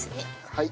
はい。